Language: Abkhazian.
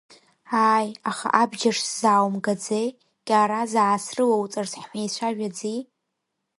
Ааи, аха абџьар сзааумгаӡеи, Кьаразаа срылоуҵарц ҳмеицәажәази?